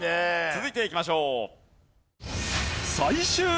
続いていきましょう。